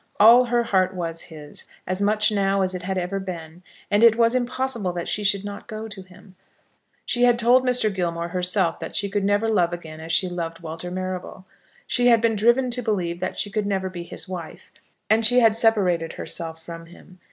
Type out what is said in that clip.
All her heart was his, as much now as it had ever been; and it was impossible that she should not go to him. She had told Mr. Gilmore herself that she could never love again as she loved Walter Marrable. She had been driven to believe that she could never be his wife, and she had separated herself from him.